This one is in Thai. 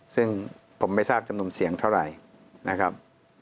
ซึ่งผมไม่ทราบจำนวนเสียงเท่าไหร่นะครับ